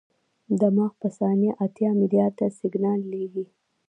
دماغ په ثانیه اتیا ملیارده سیګنال لېږي.